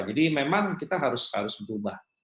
jadi memang kita harus berubah